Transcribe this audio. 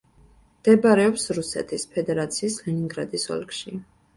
მდებარეობს რუსეთის ფედერაციის ლენინგრადის ოლქში.